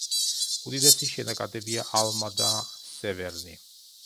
უდიდესი შენაკადებია ალმა და სევერნი.